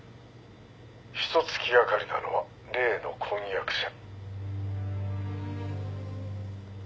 「一つ気がかりなのは例の婚約者」